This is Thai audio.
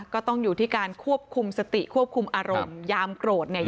ก็ต้องอยู่ที่การควบคุมสติควบคุมอารมณ์ยามโกรธเนี่ย